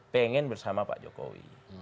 pengen bersama pak jokowi